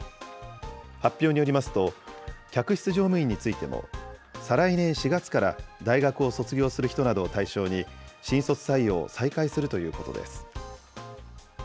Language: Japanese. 発表によりますと、客室乗務員についても、再来年４月から大学を卒業する人などを対象に新卒採用を再開するということです。